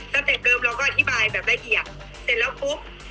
ตั้งแต่เดิมเราก็อธิบายแบบละเอียดเสร็จแล้วปุ๊บ